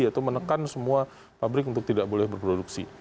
yaitu menekan semua pabrik untuk tidak boleh berproduksi